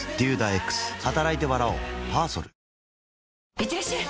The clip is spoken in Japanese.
いってらっしゃい！